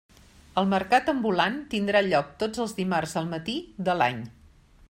El mercat ambulant tindrà lloc tots els dimarts al matí de l'any.